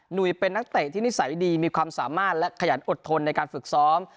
เป็นนักเตะที่นิสัยดีมีความสามารถและขยันอดทนในการฝึกซ้อม